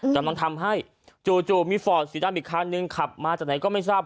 แต่มันทำให้จู่มีฟอร์ดสีดำอีกคันนึงขับมาจากไหนก็ไม่ทราบ